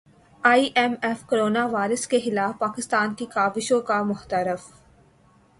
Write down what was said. ائی M F corona virus کے خلاف پاکستان کی کاوشوں کا معترف